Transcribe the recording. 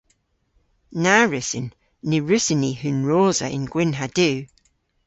Na wrussyn. Ny wrussyn ni hunrosa yn gwynn ha du!